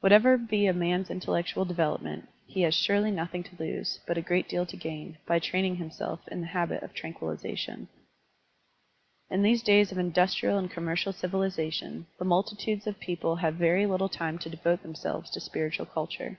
Whatever be a man's intel lectual development, he has surely nothing to lose, but a great deal to gain, by training him self in the habit of tranquillization. In these days of industrial and commercial Digitized by Google 15^ ^BkMOKS OP A BUDDHIST ABBOT civilization, the multitudes of people have very little time to devote themselves to spiritual culture.